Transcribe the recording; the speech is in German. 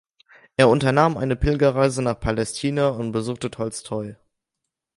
Er unternahm eine Pilgerreise nach Palästina und besuchte Tolstoi.